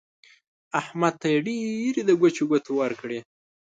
احمد ته يې ډېرې د ګوچو ګوتې ورکړې.